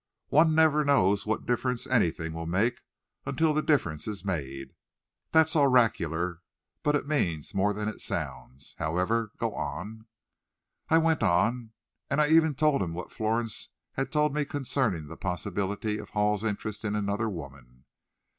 "One never knows what difference anything will make until the difference is made. That's oracular, but it means more than it sounds. However, go on." I went on, and I even told him what Florence had told me concerning the possibility of Hall's interest in another woman.